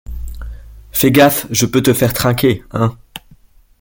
Fais gaffe, je peux te faire trinquer, hein !